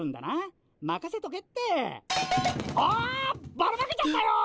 ばらまけちゃったよ！